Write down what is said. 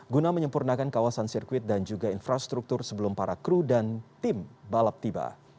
guna menyempurnakan kawasan sirkuit dan juga infrastruktur sebelum para kru dan tim balap tiba